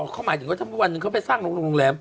เขาหมายถึงว่าถ้าวันหนึ่งเขาไปสร้างโรงแรม